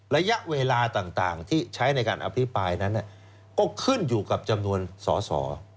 ระยะเวลาต่างที่ใช้ในการอภิปรายนั้นก็ขึ้นอยู่กับจำนวนสอสอ